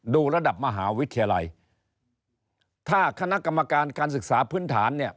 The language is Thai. ระดับมหาวิทยาลัยถ้าคณะกรรมการการศึกษาพื้นฐานเนี่ย